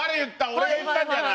俺が言ったんじゃない？